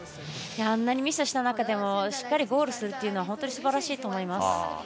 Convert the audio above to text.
あんなにミスした中でもしっかりゴールするのは本当にすばらしいと思います。